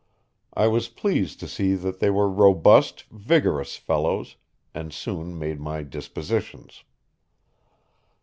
I was pleased to see that they were robust, vigorous fellows, and soon made my dispositions.